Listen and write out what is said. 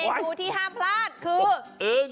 ทูที่ห้ามพลาดคือ